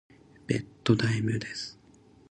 ベッドタイムです。